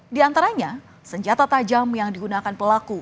di antaranya senjata tajam yang digunakan pelaku